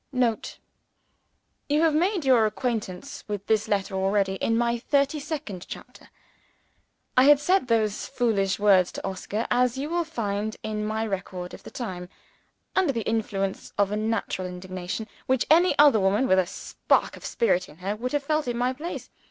[Note. You have made your acquaintance with this letter already, in my thirty second chapter. I had said those foolish words to Oscar (as you will find in my record of the time), under the influence of a natural indignation, which any other woman with a spark of spirit in her would have felt in my place.